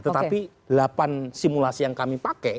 tetapi delapan simulasi yang kami pakai